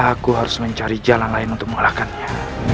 aku harus mencari jalan lain untuk mengalahkannya